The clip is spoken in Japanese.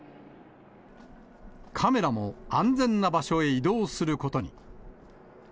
カメラも安全な場所へ移動することに。